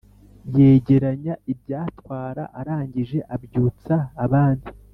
yegeranya ibyatwara arangije abyutsa abandi